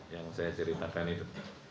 yang saya ceritakan itu